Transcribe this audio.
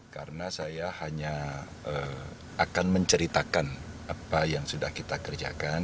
karena saya hanya akan menceritakan apa yang sudah kita kerjakan